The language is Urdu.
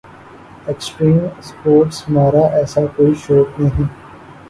ایکسٹریم اسپورٹس ہمارا ایسا کوئی شوق نہیں